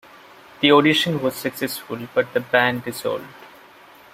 The audition was successful, but the band dissolved.